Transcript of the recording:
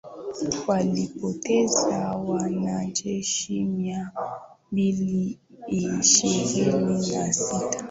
walipoteza wanajeshi miambili ishirini na sita